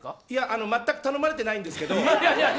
いや、全く頼まれてないんですけど。